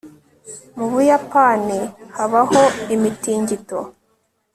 mu buyapani habaho imitingito